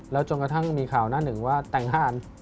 จนกระทั่งมีข่าวหน้าหนึ่งว่าแต่งห้าน